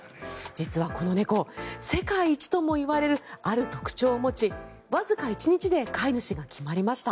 実はこの猫、世界一ともいわれるある特徴を持ちわずか１日で飼い主が決まりました。